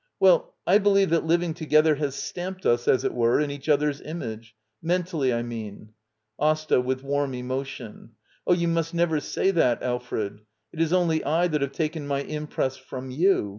Well, I believe that living together ypBS stamped us, as it were, in each other's image — mentally, I mean. AsTA. [With warm emotion.] Oh, you must never say that, Alfred. It is only I that have taken j^^jif^ impress from you.